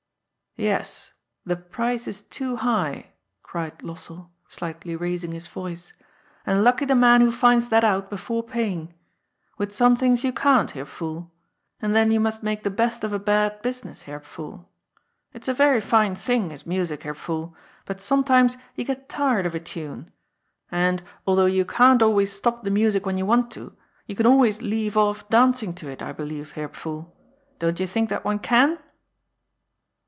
" Yes, the price is too high," cried Lossell, slightly rais ing his voice, "and lucky the man who finds that out before paying. With some things you can't, Herr Pfuhl. And then you must make the best of a bad business, Herr Pfuhl. It's a very fine thing, is music, Herr Pfuhl, but sometimes you get tired of a tune. And, although you can't always stop the music when you want to, you can always leave off dancing to it, I believe, Herr Pfuhl. Don't you think that one can